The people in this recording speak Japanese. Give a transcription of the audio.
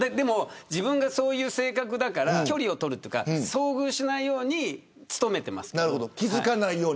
自分がそういう性格だから距離をとるというか遭遇しないように努めてます。